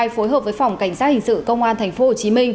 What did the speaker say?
phối hợp với phòng cảnh sát hình sự công an tp hcm